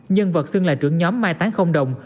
nhân vật xưng là trưởng nhóm mai tán không đồng